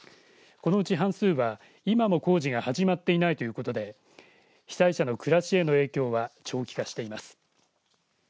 このうち半数は今も工事が始まっていないということで被災者の暮らしへの影響は長期化しています。